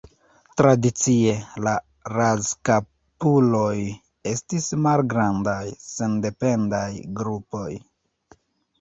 Tradicie, la razkapuloj estis malgrandaj, sendependaj grupoj.